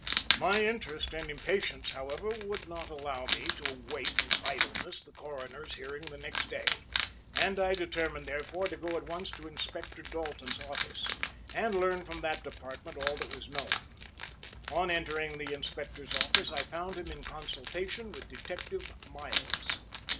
My interest and impatience, however, would not allow me to await in idleness the Coroner's hearing the next day, and I determined, therefore, to go at once to Inspector Dalton's office, and learn from that department all that was known. On entering the Inspector's office, I found him in consultation with Detective Miles.